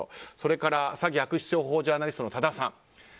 それから、詐欺・悪質商法ジャーナリストの多田さん。